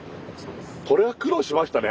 これは苦労しましたね。